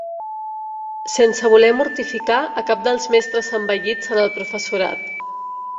Sense voler mortificar a cap dels mestres envellits en el professorat